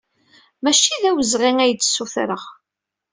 Maci d awezɣi ay d-ssutreɣ.